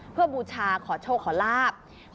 เพื่อบูชาขอโชคขอลาบ